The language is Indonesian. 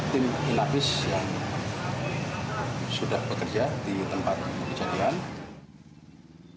tim inafis pola jawa tengah yang telah menerjakan olah tkp mengungkap hasil penembakan misterius tersebut